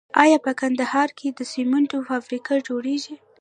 آیا په کندهار کې د سمنټو فابریکه جوړیږي؟